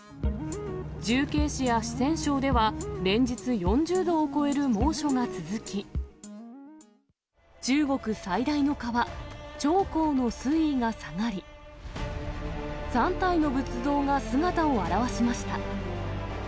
重慶市や四川省では連日４０度を超える猛暑が続き、中国最大の川、長江の水位が下がり、３体の仏像が姿を現しました。